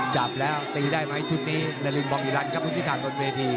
จับแล้วตีได้ไหมชุดนี้ดารินบองอิลันครับผู้พิการบนเวที